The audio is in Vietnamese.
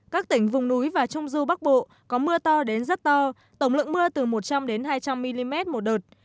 các tỉnh vùng núi và trung du bắc bộ có mưa to đến rất to tổng lượng mưa từ một trăm linh hai trăm linh mm một đợt